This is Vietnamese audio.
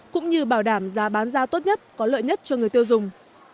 cũng như bảo đảm giá bán ra tốt nhất có lợi nhất cho người tiêu dùng